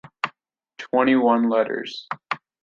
Twenty-one letters.